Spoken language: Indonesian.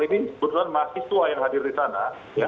ini sebetulnya masih tua yang hadir di sana